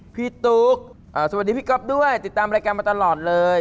ตุ๊กสวัสดีพี่ก๊อฟด้วยติดตามรายการมาตลอดเลย